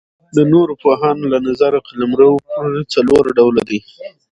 د نورو پوهانو له نظره قلمرو پر څلور ډوله دئ.